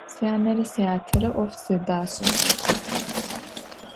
Syanere syatere 'of zedaş'e.